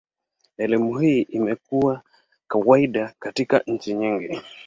Elimu hii imekuwa kawaida katika nchi nyingi.